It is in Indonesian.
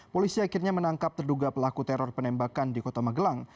polisi akhirnya menangkap terduga pelaku teror penembakan di kota magelang